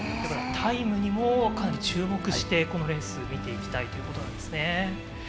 タイムにもかなり注目してこのレース見ていきたいということですね。